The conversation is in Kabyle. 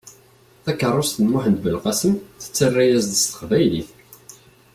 Takeṛṛust n Muḥend Belqasem tettarra-yas-d s teqbaylit.